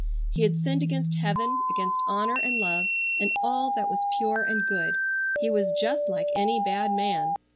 He had sinned against heaven, against honor and love, and all that was pure and good. He was just like any bad man.